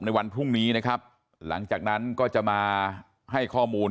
ในวันพรุ่งนี้นะครับหลังจากนั้นก็จะมาให้ข้อมูล